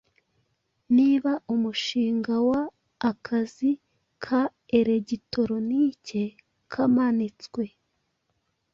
Niba umushinga wa akazi ka elegitoronike kamanitswe